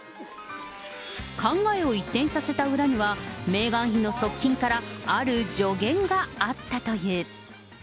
考えを一転させた裏には、メーガン妃の側近から、ある助言があったという。